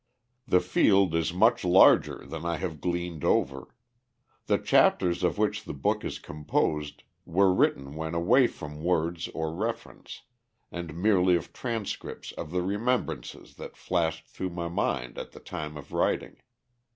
The field is much larger than I have gleaned over. The chapters of which the book is composed were written when away from works of reference, and merely as transcripts of the remembrances that flashed through my mind at the time of writing.